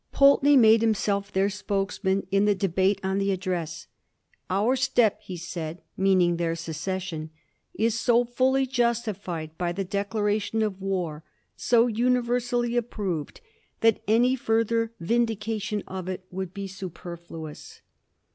Pulte ney made himself their spokesman in the debate on the Address. " Our step," he said, meaning their secession, " is so fully justified by the declaration of war, so uni versally approved, that any further vindication of it would be superfluous."